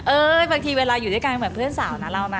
บางทีเวลาอยู่ด้วยกันเหมือนเพื่อนสาวนะเรานะ